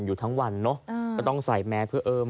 อยู่ทั้งวันเนอะก็ต้องใส่แมสเพื่อเอิ้ม